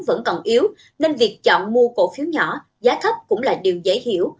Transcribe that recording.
vẫn còn yếu nên việc chọn mua cổ phiếu nhỏ giá thấp cũng là điều dễ hiểu